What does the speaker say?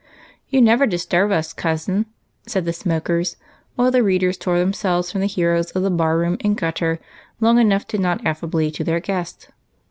" You never disturb us, cousin," said the smokers, while the readers tore themselves from the heroes of the bar room and gutter long enough to nod affably to their guest.